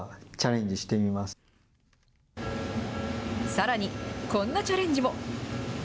さらに、こんなチャレンジも。